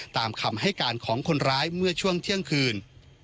ตามคำให้การของคนร้ายเมื่อช่วงเที่ยงคืน